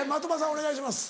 お願いします。